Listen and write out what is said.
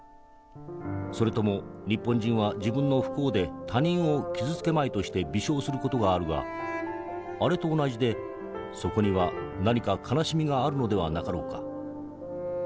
それとも日本人は自分の不幸で他人を傷つけまいとして微笑する事があるがあれと同じでそこには何か悲しみがあるのではなかろうか？